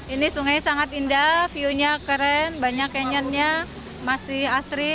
ini sungai sangat indah view nya keren banyak canyonnya masih asri